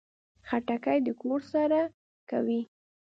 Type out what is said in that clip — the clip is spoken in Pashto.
خټکی د کور سړه کوي.